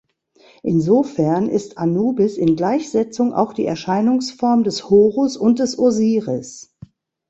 Insofern ist Anubis in Gleichsetzung auch die Erscheinungsform des Horus und des Osiris.